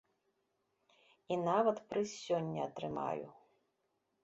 І нават прыз сёння атрымаю.